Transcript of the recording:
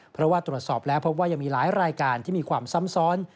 เพราะว่าตรวจสอบแล้วพบว่ายังมีหลายรายการที่มีความซ้ำซ้อน